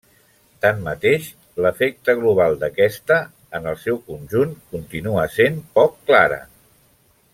Tanmateix, l'efecte global d'aquesta, en el seu conjunt, continua sent poc clara.